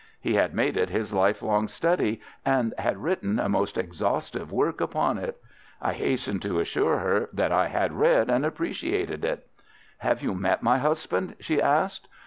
He had made it his life long study, and had written a most exhaustive work upon it. I hastened to assure her that I had read and appreciated it. "Have you met my husband?" she asked.